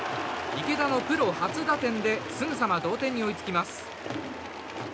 池田のプロ初打点ですぐさま同点に追いつきます。